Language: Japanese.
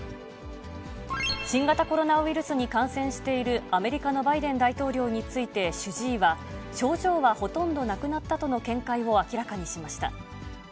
新型コロナウイルスに感染しているアメリカのバイデン大統領について主治医は、症状はほとんどなくなったとの見解を明らかにしました。